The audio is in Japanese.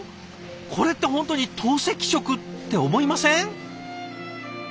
これって本当に透析食？って思いません？